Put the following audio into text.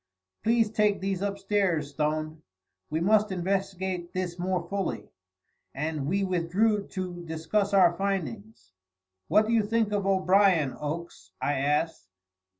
"Please take these upstairs, Stone; we must investigate this more fully," and we withdrew to discuss our findings. "What do you think of O'Brien, Oakes?" I asked.